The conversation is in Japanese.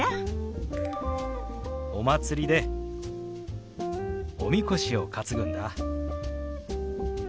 お祭りでおみこしを担ぐんだ。